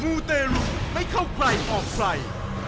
ูเตรุไม่เข้าใครออกใคร